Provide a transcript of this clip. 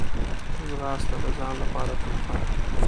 ځغاسته د ځان لپاره تحفه ده